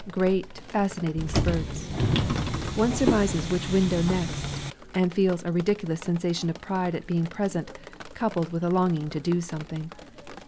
Great fascinating spurts! One surmises which window next, and feels a ridiculous sensation of pride at being present, coupled with a longing to do something.